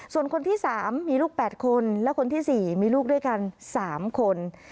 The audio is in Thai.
ส่วนคนที่๓มีลูก๘คนและคนที่๔มีลูกด้วยกัน๓คน